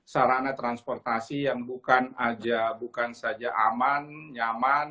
sarana transportasi yang bukan saja aman nyaman